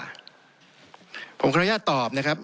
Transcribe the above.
ผมขออนุญาตตอบนะครับ